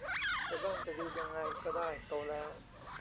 จะนั่งจะยืนยังไงก็ได้ โตแล้ว